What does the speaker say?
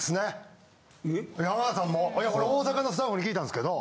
いやこれ大阪のスタッフに聞いたんですけど。